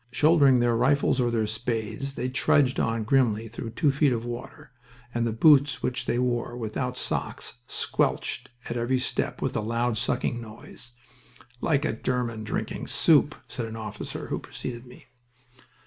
Shouldering their rifles or their spades, they trudged on grimly through two feet of water, and the boots which they wore without socks squelched at every step with a loud, sucking noise "like a German drinking soup," said an officer who preceded me.